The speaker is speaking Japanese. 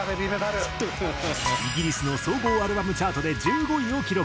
イギリスの総合アルバムチャートで１５位を記録。